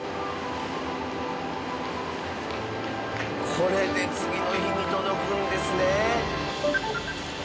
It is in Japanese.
これで次の日に届くんですね。